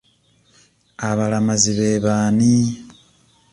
Abalamazi be b'ani?